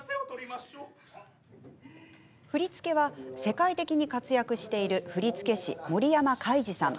振り付けは世界的に活躍している振り付け師、森山開次さん。